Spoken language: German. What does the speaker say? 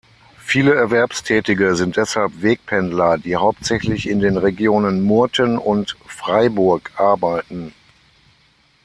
Viele Erwerbstätige sind deshalb Wegpendler, die hauptsächlich in den Regionen Murten und Freiburg arbeiten.